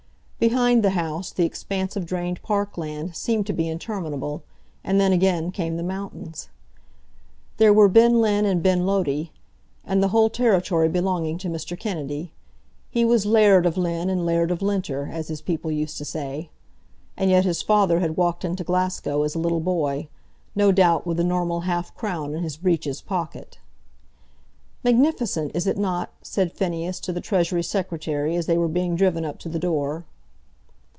Behind the house the expanse of drained park land seemed to be interminable; and then, again, came the mountains. There were Ben Linn and Ben Lody; and the whole territory belonging to Mr. Kennedy. He was laird of Linn and laird of Linter, as his people used to say. And yet his father had walked into Glasgow as a little boy, no doubt with the normal half crown in his breeches pocket. "Magnificent; is it not?" said Phineas to the Treasury Secretary, as they were being driven up to the door.